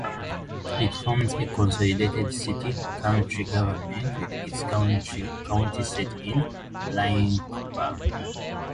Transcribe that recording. It forms a consolidated city-county government with its county seat of Lynchburg.